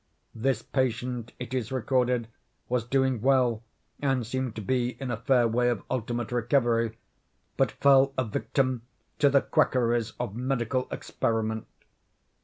This patient, it is recorded, was doing well and seemed to be in a fair way of ultimate recovery, but fell a victim to the quackeries of medical experiment.